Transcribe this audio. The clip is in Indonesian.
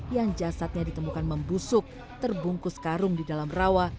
yang jasadnya ditemukan membusuk terbungkus karung di dalam rawa